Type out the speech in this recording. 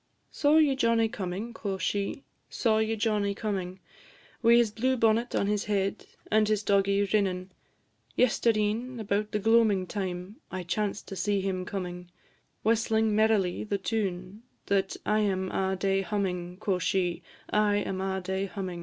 "Saw ye Johnnie comin'?" quo' she; "Saw ye Johnnie comin'? Wi' his blue bonnet on his head, And his doggie rinnin'. Yestreen, about the gloamin' time, I chanced to see him comin', Whistling merrily the tune That I am a' day hummin'," quo' she; "I am a' day hummin'.